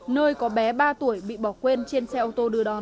nơi có bé ba tuổi bị bỏ quên trên xe ô tô đưa đón